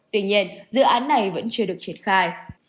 tuy nhiên dự án này vẫn chưa được triển khai